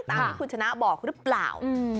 ตามที่คุณชนะบอกหรือเปล่า